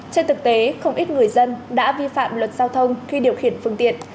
trên thực tế không ít người dân đã vi phạm luật giao thông khi điều khiển phương tiện